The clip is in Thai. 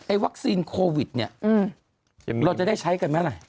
ไอ้วัคซีนโควิดเราจะได้ใช้กันไหม